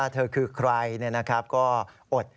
เธอคือใครเนี่ยนะครับก็อด